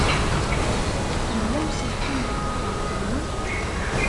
Yella uselkim deg texxamt-nwen?